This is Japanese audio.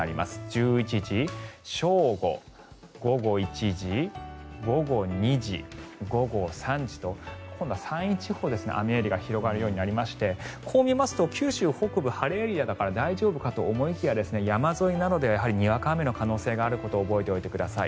１１時、正午、午後１時午後２時、午後３時と今度は山陰地方で雨エリアが広がるようになりましてこう見ますと九州北部、晴れエリアだから大丈夫かと思いきや山沿いなどではにわか雨の可能性があることを覚えておいてください。